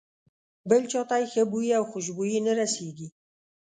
بل چاته یې ښه بوی او خوشبويي نه رسېږي.